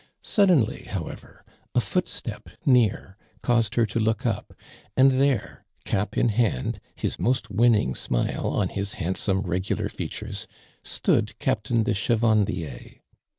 Suddenly, however, a footstep near caused her to look up, and there, cap in hand, his most winning smile on his handsome, regular features, stood Captain de Chevandier.